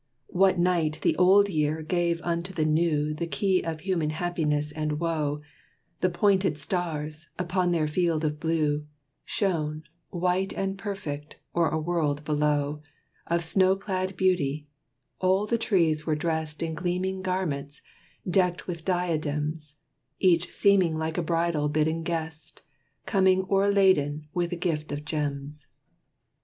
What night the Old Year gave unto the New The key of human happiness and woe, The pointed stars, upon their field of blue, Shone, white and perfect, o'er a world below, Of snow clad beauty; all the trees were dressed In gleaming garments, decked with diadems, Each seeming like a bridal bidden guest, Coming o'er laden with a gift of gems.